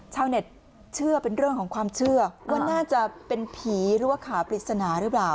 ชาวเน็ตเชื่อเป็นเรื่องของความเชื่อว่าน่าจะเป็นผีหรือว่าขาปริศนาหรือเปล่า